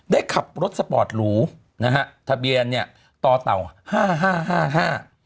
ได้ขับรถสปอร์ตหรูนะฮะทะเบียนเนี่ยต่อเต่าห้าห้าห้า